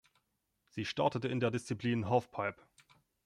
Sie startete in der Disziplin Halfpipe.